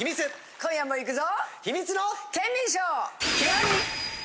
今夜もいくぞ！